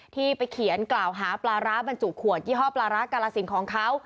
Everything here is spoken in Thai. ที่ไปเขียนกล่าวหาปลาร้าบรรจุขวดยี่ห้อปลาร้ากาลสินของเขา